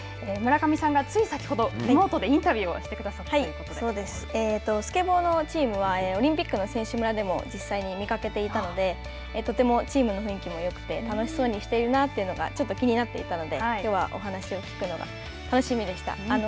村上さんが、つい先ほどリモートでインタビューしてスケボーのチームはオリンピックの選手村でも実際に見かけていたのでチームの雰囲気もよくて楽しそうにしているなというのがちょっと気になっていたのできょうはお話を聞くのが楽しみでした。